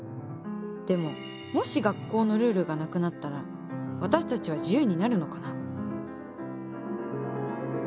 でももし学校のルールがなくなったら私たちは自由になるのかな？